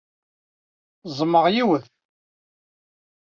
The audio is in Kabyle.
Ẓẓmeɣ yiwet.